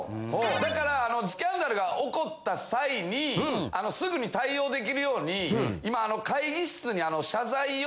だからスキャンダルが起こった際にあのすぐに対応出来るように今あの。